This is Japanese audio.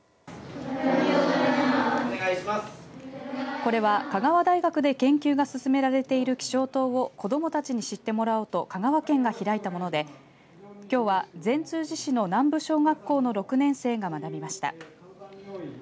これは香川大学で研究が進められている希少糖を子どもたちに知ってもらおうと香川県が開いたものできょうは善通寺市の南部小学校の６年生が学びました。